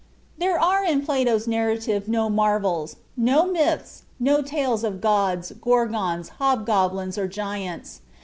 There are in Plato's narrative no marvels; no myths; no tales of gods, gorgons, hobgoblins, or giants.